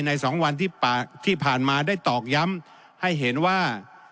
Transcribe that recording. ๒วันที่ผ่านมาได้ตอกย้ำให้เห็นว่า